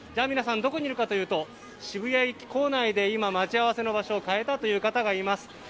皆さん、どこにいるかというと渋谷駅構内で今、待ち合わせの場所を変えた方もいらっしゃいます。